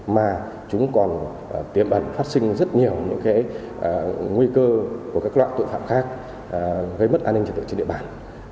mà chúng còn tiêm ẩn phát sinh rất nhiều những nguy cơ của các loại tội phạm khác gây mất an ninh trật tự trên địa bàn